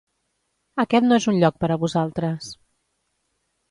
Aquest no és un lloc per a vosaltres.